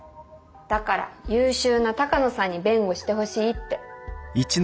だから優秀な鷹野さんに弁護してほしいって。